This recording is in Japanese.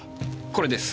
これです。